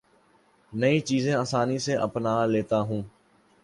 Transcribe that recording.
نئی چیزیں آسانی سے اپنا لیتا ہوں